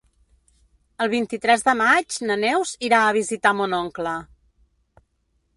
El vint-i-tres de maig na Neus irà a visitar mon oncle.